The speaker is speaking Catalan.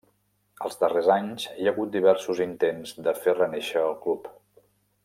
Els darrers anys hi ha hagut diversos intents de fer renéixer el club.